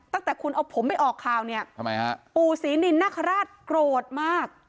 ตั้งแต่คุณเอาผมไปออกข่าวเนี่ยทำไมฮะปู่ศรีนินนคราชโกรธมาก